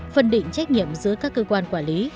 phân định trách nhiệm giữa các cơ quan quản lý